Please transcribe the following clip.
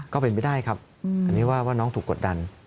ก็เป็นไปได้ครับอันนี้ว่าน้องถูกกดดัน